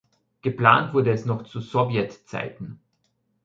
Geplant wurde es noch zu Sowjetzeiten.